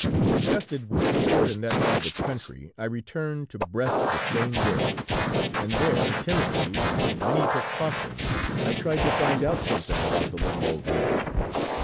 "Disgusted with sport in that part of the country, I returned to Brest the same day, and there, timidly and with many precautions, I tried to find out something about the little old man....